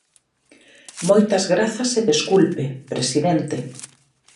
Moitas grazas e desculpe, presidente.